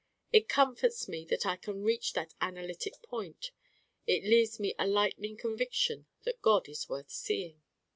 It comforts me that I can reach that analytic point. It leaves me a lightning conviction that God is worth seeing.